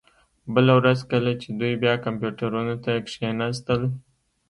بله ورځ کله چې دوی بیا کمپیوټرونو ته کښیناستل